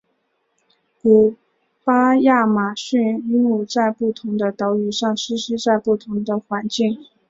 古巴亚马逊鹦鹉在不同的岛屿上栖息在不同的环境。